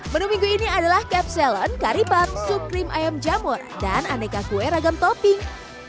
menu minggu ini adalah kapsalon karipap sup krim ayam jamur dan aneka kue ragam topping